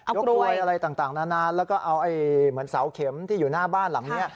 กรวยอะไรต่างนานแล้วก็เอาเหมือนเสาเข็มที่อยู่หน้าบ้านหลังนี้